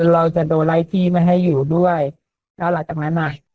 เราจะโดนไล่ที่ไม่ให้อยู่ด้วยแล้วหลังจากนั้นอ่ะ